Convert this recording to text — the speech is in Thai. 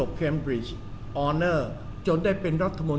ไปจบ